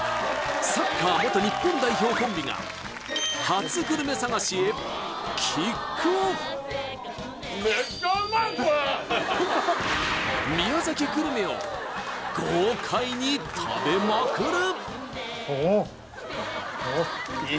サッカー元日本代表コンビがへキックオフ宮崎グルメを豪快に食べまくる！